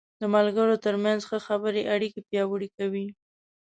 د ملګرو تر منځ ښه خبرې اړیکې پیاوړې کوي.